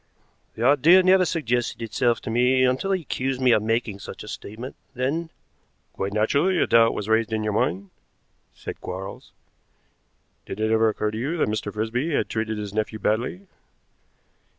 "The idea never suggested itself to me until he accused me of making such a statement, then " "Quite naturally a doubt was raised in your mind," said Quarles. "Did it ever occur to you that Mr. Frisby had treated his nephew badly?"